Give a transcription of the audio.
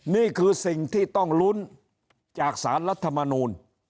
นี่คือสิ่งที่ต้องลุ้นจากสารรัฐมนูล